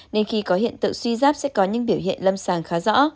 nên khi có hiện tượng suy giáp sẽ có những biểu hiện lâm sàng khá rõ